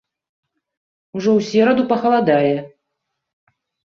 Ужо ў сераду пахаладае.